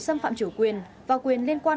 xâm phạm chủ quyền và quyền liên quan